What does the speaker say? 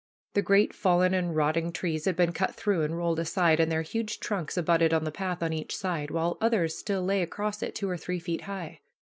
The great fallen and rotting trees had been cut through and rolled aside, and their huge trunks abutted on the path on each side, while others still lay across it two or three feet high.